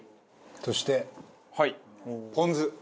そしてポン酢。